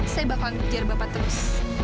saya bakal mengejar bapak terus